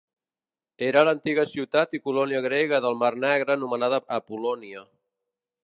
Era l'antiga ciutat i colònia grega del mar Negre anomenada Apol·lònia.